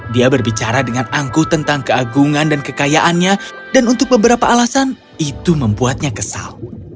dia berbicara dengan angkuh tentang keagungan dan kekayaannya dan untuk beberapa alasan itu membuatnya kesal